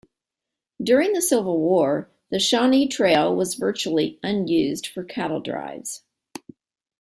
During the Civil War the Shawnee Trail was virtually unused for cattle drives.